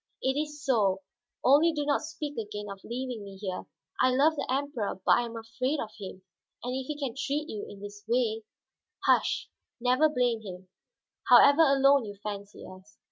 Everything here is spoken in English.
"It is so, only do not speak again of leaving me here. I love the Emperor, but I am afraid of him. And if he can treat you in this way " "Hush; never blame him, however alone you fancy us.